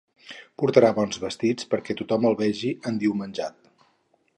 Portarà bons vestits perquè tothom el vegi endiumenjat.